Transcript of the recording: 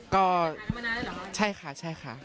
ก็ใช่ค่ะใช่ค่ะ